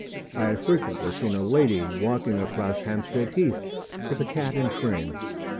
I have frequently seen a lady walking across Hampstead Heath with a cat in train.